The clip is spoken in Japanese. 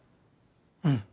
うん。